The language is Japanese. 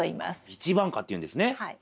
一番果っていうんですねはい。